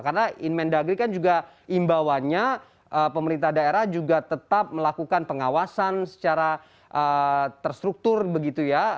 karena in main dagri kan juga imbawannya pemerintah daerah juga tetap melakukan pengawasan secara terstruktur begitu ya